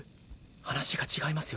話が違いますよ